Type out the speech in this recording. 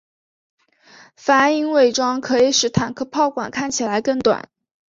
反影伪装可以使坦克炮管看起来更短。